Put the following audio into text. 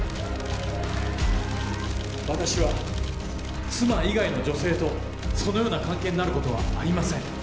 私は妻以外の女性とそのような関係になることはありません。